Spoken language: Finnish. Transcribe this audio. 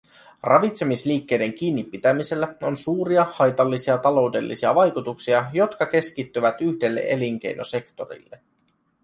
Ravitsemisliikkeiden kiinnipitämisellä on suuria haitallisia taloudellisia vaikutuksia, jotka keskittyvät yhdelle elinkeinosektorille.